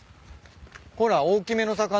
ほら大きめの魚。